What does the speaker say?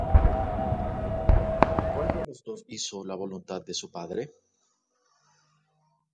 ¿Cuál de los dos hizo la voluntad de su padre?